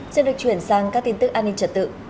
trên lịch chuyển sang các tin tức an ninh trật tự